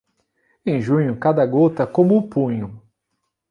Em junho, cada gota, como o punho.